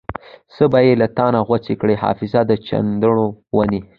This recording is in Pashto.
بې لتانۀ غوڅې کړې حافظه د چندڼو ونې